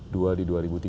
dua di dua ribu tiga belas